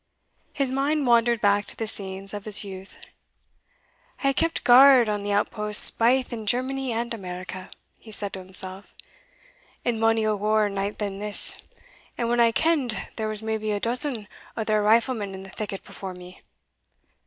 His mind wandered back to the scenes of his youth. "I have kept guard on the outposts baith in Germany and America," he said to himself, "in mony a waur night than this, and when I ken'd there was maybe a dozen o' their riflemen in the thicket before me.